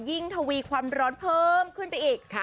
ทวีความร้อนเพิ่มขึ้นไปอีก